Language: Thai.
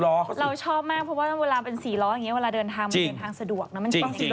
เราชอบมากเพราะว่าเวลาเป็น๔ล็อคเงี้ย